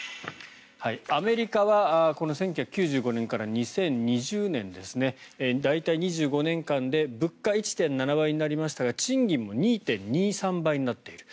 アメリカはこの１９９５年から２０２０年ですね大体、２５年間で物価は１．７倍になりましたが賃金も２．２３倍になっている。